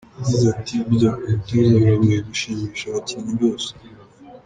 Yagize ati “Burya ku mutoza biragoye gushimisha abakinnyi bose.